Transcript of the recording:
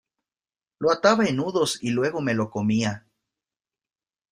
Lo ataba en nudos y luego me lo comía.